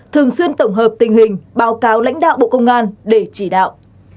thường xuyên tổng hợp tình hình báo cáo lãnh đạo bộ công an để chỉ đạo